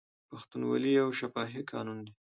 پښتونولي یو شفاهي قانون دی.